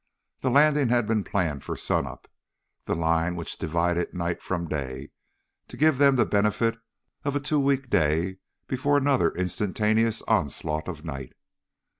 The landing had been planned for sunup the line which divided night from day to give them the benefit of a two week day before another instantaneous onslaught of night.